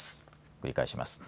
繰り返します。